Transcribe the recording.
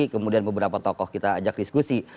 kemudian beberapa tokoh kita ajak diskusi